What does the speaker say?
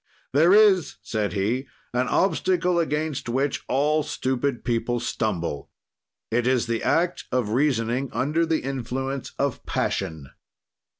"There is," said he, "an obstacle against which all stupid people stumble; it is the act of reasoning under the influence of passion.